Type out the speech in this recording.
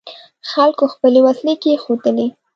خلکو خپلې وسلې کېښودلې.